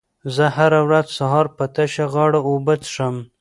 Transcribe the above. زه هره ورځ سهار په تشه غاړه اوبه څښم.